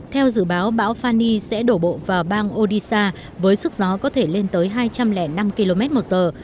theo dự báo bão fani sẽ đổ bộ vào bang odisha với sức gió có thể lên tới hai trăm linh năm km một giờ